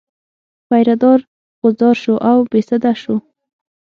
پیره دار غوځار شو او بې سده شو.